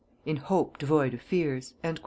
"In hope devoid of fears." &c.